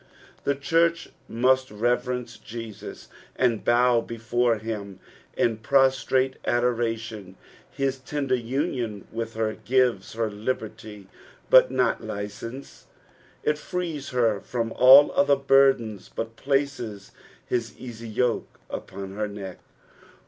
The church must reverence Jesus, and bow before him in prostrate adoration ; his tender Qnion with her gives her liberty, but not license ; it frees her from alt other burdens, but places his easy yoke upon her neck.